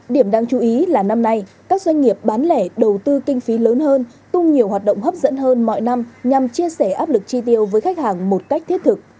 điểm đáng chú ý là năm nay các doanh nghiệp bán lẻ đầu tư kinh phí lớn hơn tung nhiều hoạt động hấp dẫn hơn mọi năm nhằm chia sẻ áp lực tri tiêu với khách hàng một cách thiết thực